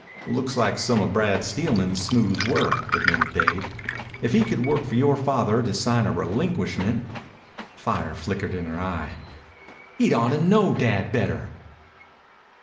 "Looks like some of Brad Steelman's smooth work," admitted Dave. "If he could work yore father to sign a relinquishment " Fire flickered in her eye. "He'd ought to know Dad better."